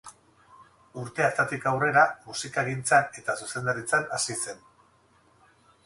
Urte hartatik aurrera, musikagintzan eta zuzendaritzan hasi zen.